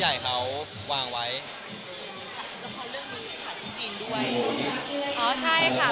อ๋อใช่ค่ะมันก็จะมีบางส่วนไปถ่ายที่จีน